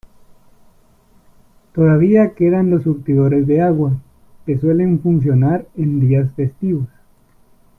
Todavía quedan los surtidores de agua, que suelen funcionar en días festivos.